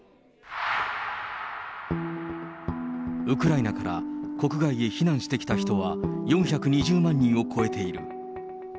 ウクライナから国外へ避難してきた人は、４２０万人を超えている。